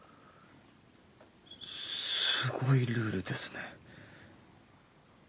すごいルールですね。